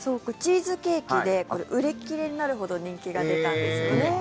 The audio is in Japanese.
チーズケーキで売り切れになるほど人気が出たんですよね。